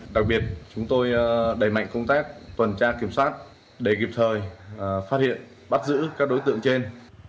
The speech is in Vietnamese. đặc biệt chúng tôi đẩy mạnh công tác tuần tra kiểm soát để kịp thời phát hiện bắt giữ các đối tượng trên